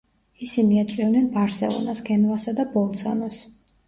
ისინი ეწვივნენ ბარსელონას, გენუასა და ბოლცანოს.